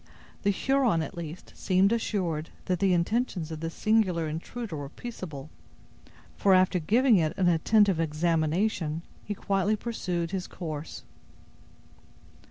The Huron, at least, seemed assured that the intentions of this singular intruder were peaceable, for after giving it an attentive examination, he quietly pursued his course.